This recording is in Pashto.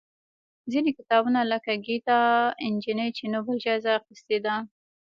ځینې کتابونه لکه ګیتا نجلي یې نوبل جایزه اخېستې ده.